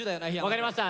分かりました。